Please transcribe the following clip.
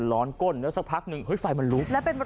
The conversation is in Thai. สวัสดีครับ